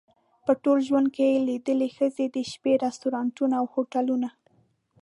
په ټول ژوند کې لیدلې ښځې د شپې رستورانتونه او هوټلونه.